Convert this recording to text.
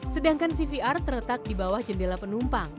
sedangkan cvr terletak di bawah jendela penumpang